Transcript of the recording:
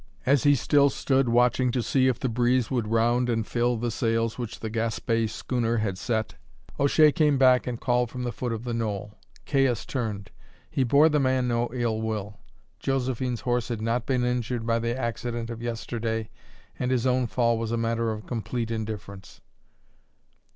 As he still stood watching to see if the breeze would round and fill the sails which the Gaspé schooner had set, O'Shea came back and called from the foot of the knoll. Caius turned; he bore the man no ill will. Josephine's horse had not been injured by the accident of yesterday, and his own fall was a matter of complete indifference.